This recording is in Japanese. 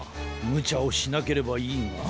むちゃをしなければいいが。